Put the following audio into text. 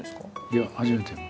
いや初めて。